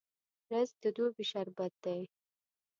رس د دوبي شربت دی